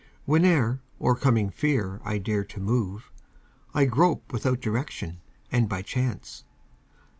Whene'er, o'ercoming fear, I dare to move, I grope without direction and by chance.